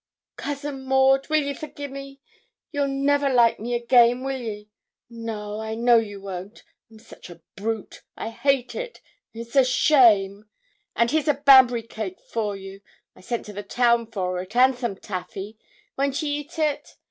'Cousin Maud, will ye forgi' me you'll never like me again, will ye? No I know ye won't I'm such a brute I hate it it's a shame. And here's a Banbury cake for you I sent to the town for it, and some taffy won't ye eat it?